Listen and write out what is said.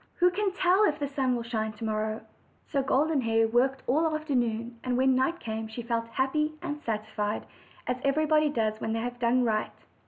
"Who can. tell if the sun will shine to morrow?" So Golden Hair worked all the afternoon, and when night came she felt happy and satisfied, as everybody doea when they have done right.